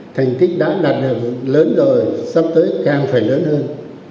thành tích đã đạt được lớn rồi sắp tới càng phải lớn hơn